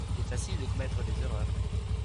Il est facile de commettre des erreurs.